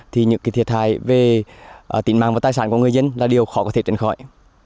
thì những thiệt hại về tính mạng và tài sản của người dân là điều khó có thể tránh khỏi